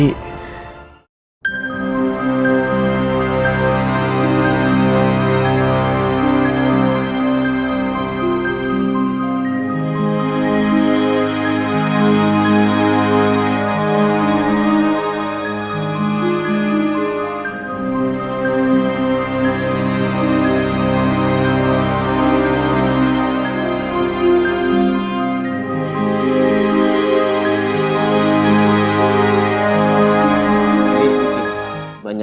aku suka suka aja ngadainnya